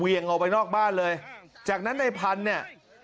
ออกไปนอกบ้านเลยจากนั้นในพันธุ์เนี่ย